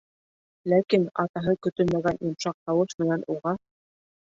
Ләкин атаһы көтөлмәгән йомшаҡ тауыш менән уға: